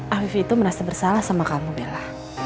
afif itu merasa bersalah sama kamu bella